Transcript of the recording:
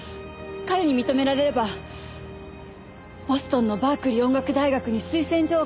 彼に認められればボストンのバークリー音楽大学に推薦状を書いてもらえるの。